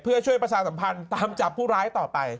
เพื่อช่วยประชาสัมพันธ์ตามจับผู้ร้ายต่อไป